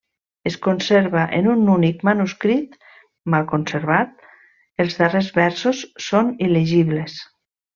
Es conserva en un únic manuscrit, mal conservat; els darrers versos són il·legibles.